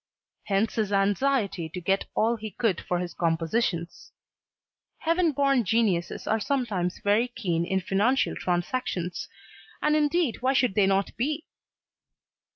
Hence his anxiety to get all he could for his compositions. Heaven born geniuses are sometimes very keen in financial transactions, and indeed why should they not be?